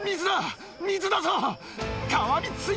水だぞ！